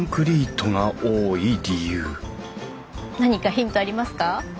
何かヒントありますか？